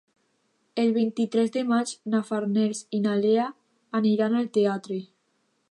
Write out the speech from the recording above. El vint-i-tres de maig na Farners i na Lea aniran al teatre.